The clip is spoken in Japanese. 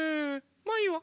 まあいいわ。